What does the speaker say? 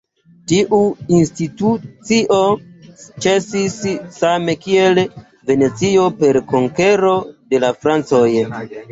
Tiu institucio ĉesis same kiel en Venecio, per konkero de la francoj.